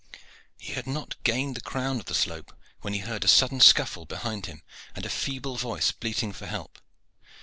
He had not gained the crown of the slope, when he heard a sudden scuffle behind him and a feeble voice bleating for help.